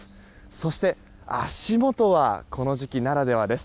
そして足元はこの時期ならではです。